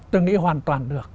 tôi nghĩ hoàn toàn được